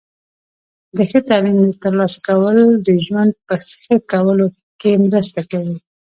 د ښه تعلیم ترلاسه کول د ژوند په ښه کولو کې مرسته کوي.